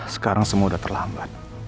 sekarang semua udah terlambat